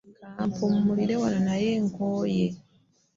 Nkampumulireko wano naye nkoye.